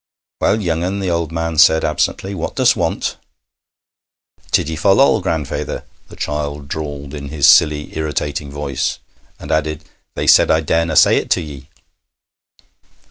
'Well, young un,' the old man said absently, 'what dost want?' 'Tiddy fol lol, grandfeyther,' the child drawled in his silly, irritating voice, and added: 'They said I darena say it to ye.'